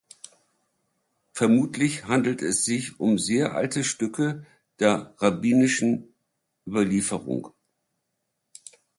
Vermutlich handelt es sich um sehr alte Stücke der rabbinischen Überlieferung.